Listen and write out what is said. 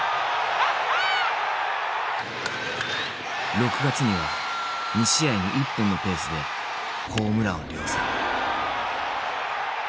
６月には２試合に１本のペースでホームランを量産。